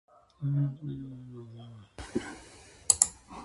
蚊帳のついたベット憧れる。